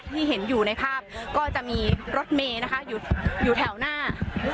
ที่เห็นอยู่ในภาพก็จะมีรถเมย์นะคะอยู่แถวหน้า